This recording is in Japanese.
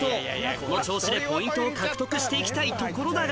この調子でポイントを獲得して行きたいところだが